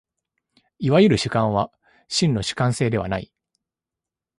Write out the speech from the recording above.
いわゆる主観は真の主観性ではない。